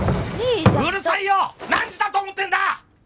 うるさいよ何時だと思ってんだ！